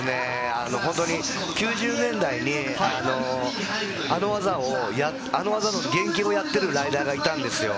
９０年代にあの技のあの技の原形をやってるライダーがいたんですよ。